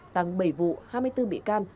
tăng bảy vụ hai mươi bốn bị can